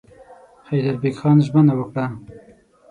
حیدربېګ خان ژمنه وکړه.